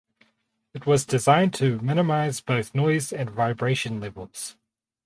It was designed to minimise both noise and vibration levels.